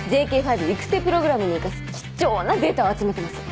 ＪＫ５育成プログラムに生かす貴重なデータを集めてます。